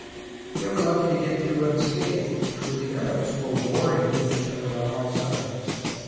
They were lucky to get through unscathed, for the Arabs were warring with each other on all sides.